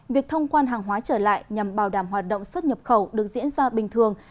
việc thông quan hàng hóa trở lại nhằm bảo đảm hoạt động xuất nhập khẩu được diễn ra bình thường